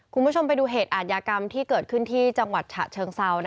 คุณผู้ชมไปดูเหตุอาทยากรรมที่เกิดขึ้นที่จังหวัดฉะเชิงเซา